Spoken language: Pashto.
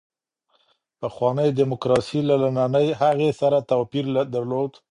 پخوانۍ دیموکراسي له نننۍ هغې سره توپیر درلود.